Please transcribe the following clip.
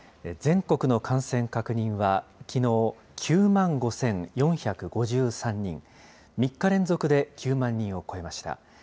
全国の感染確認はきのう９万５４５３人、３日連続で９万人を超えました。